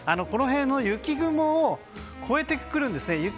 この辺の雪雲を越えてくるんですね。